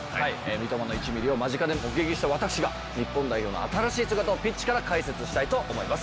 「三笘の１ミリ」を間近で目撃した私が日本代表の新しい姿をピッチから解説したいと思います。